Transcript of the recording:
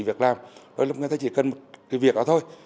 vị trí việt nam người ta chỉ cần một cái việc đó thôi